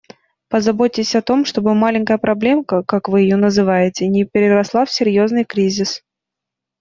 Позаботьтесь о том, чтобы «маленькая проблемка», как вы ее называете, не переросла в серьёзный кризис.